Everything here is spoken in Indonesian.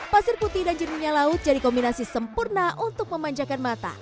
pasir putih dan jernihnya laut jadi kombinasi sempurna untuk memanjakan mata